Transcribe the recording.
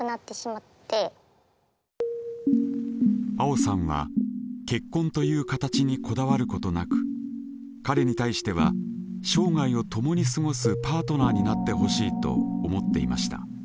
あおさんは結婚という形にこだわることなく彼に対しては生涯を共に過ごすパートナーになってほしいと思っていました。